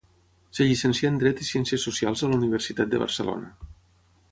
Es llicencià en Dret i Ciències Socials a la Universitat de Barcelona.